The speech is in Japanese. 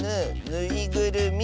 「ぬいぐるみ」。